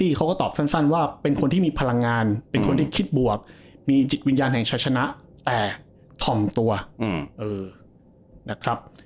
เขาก็ตอบสั้นว่าเป็นคนที่มีพลังงานเป็นคนที่คิดบวกมีจิตวิญญาณแห่งชาชนะแต่ถ่อมตัวนะครับ